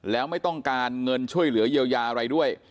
แล้วไม่ต้องการเงินช่วยเหลือเยียวยาอะไรด้วย